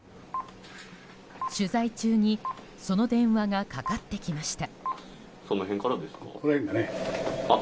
取材中にその電話がかかってきました。